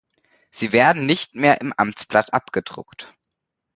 Sie werden nicht mehr im Amtsblatt abgedruckt.